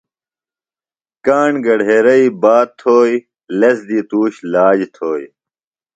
کاݨ گھڈیرئی بات تھوئیۡ، لس دی تُوش لاج تھوئیۡ